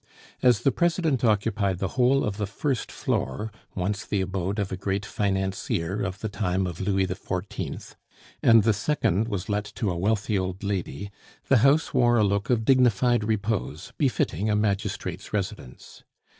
As the President occupied the whole of the first floor, once the abode of a great financier of the time of Louis XIV., and the second was let to a wealthy old lady, the house wore a look of dignified repose befitting a magistrate's residence.